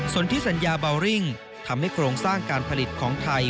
ส่วนที่สัญญาบาวริ่งทำให้โครงสร้างการผลิตของไทย